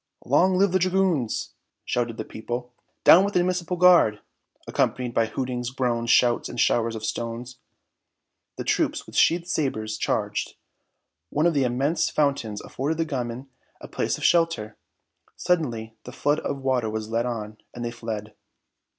"Long live the dragoons!" shouted the people. "Down with the Municipal Guard!" accompanied by hootings, groans, shouts and showers of stones. The troops, with sheathed sabres, charged. One of the immense fountains afforded the gamins a place of shelter. Suddenly the flood of water was let on and they fled.